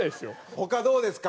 他どうですか？